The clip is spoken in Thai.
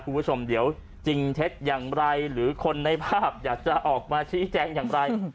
คุณผู้ชมเดี๋ยวจริงเท็จอย่างไรหรือคนในภาพอยากจะออกมาชี้แจงอย่างไร